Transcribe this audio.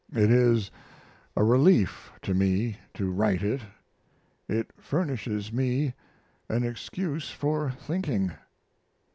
It is a relief to me to write it. It furnishes me an excuse for thinking."